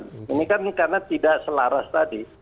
ini kan karena tidak selaras tadi